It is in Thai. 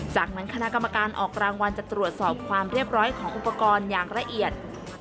จากนั้นคณะกรรมการออกรางวัลจะตรวจสอบความเรียบร้อยของอุปกรณ์อย่างละเอียด